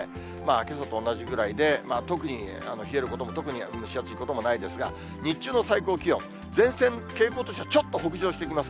けさと同じぐらいで、特に冷えることも、特に蒸し暑いこともないですが、日中の最高気温、前線、傾向としてはちょっと北上してきます。